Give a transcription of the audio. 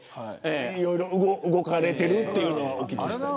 いろいろ動かれてるというのはお聞きしたり。